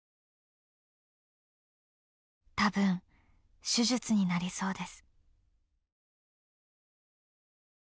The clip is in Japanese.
「たぶん手術になりそうです！」。